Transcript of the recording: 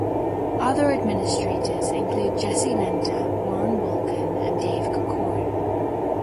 Other administrators include Jesse Lender, Warren Wulkan, and Dave Corcoran.